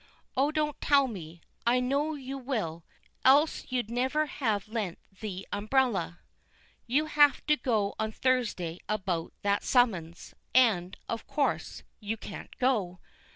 Oh, don't tell me! I know you will. Else you'd never have lent the umbrella! "You have to go on Thursday about that summons; and, of course, you can't go.